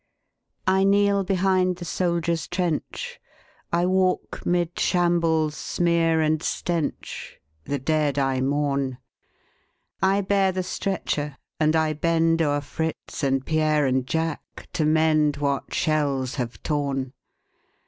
I kneel behind the soldier's trench, I walk 'mid shambles' smear and stench, The dead I mourn; I bear the stretcher and I bend O'er Fritz and Pierre and Jack to mend What shells have torn.